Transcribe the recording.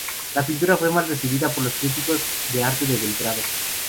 La pintura fue mal recibida por los críticos de arte de Belgrado.